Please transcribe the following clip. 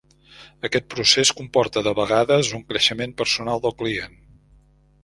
Aquest procés comporta, de vegades, un creixement personal del client.